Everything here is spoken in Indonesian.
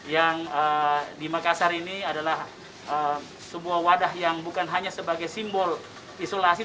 yang di makassar ini adalah sebuah wadah yang bukan hanya sebagai simbol isolasi